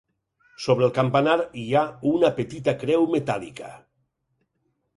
Sobre el campanar hi ha una petita creu metàl·lica.